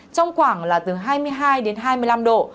trong khoảng là từ hai mươi hai đến hai mươi năm độ